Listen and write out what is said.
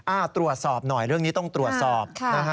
ตรวจสอบหน่อยเรื่องนี้ต้องตรวจสอบนะฮะ